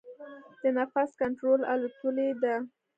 د نفس کنټرول اتلولۍ ده.